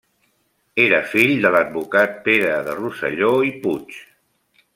Era fill de l'advocat Pere de Rosselló i Puig.